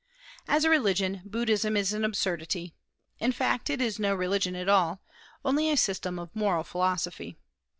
As a religion Buddhism is an absurdity; in fact, it is no religion at all, only a system of moral philosophy.